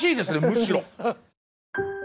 むしろ。